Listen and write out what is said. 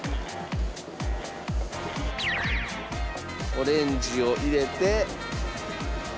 オレンジを入れて。